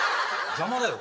邪魔だよ。